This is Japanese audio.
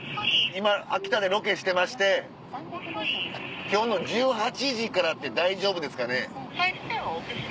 今秋田でロケしてまして今日の１８時からって大丈夫ですかね？